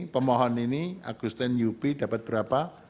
pemohon ini agustin yupi dapat berapa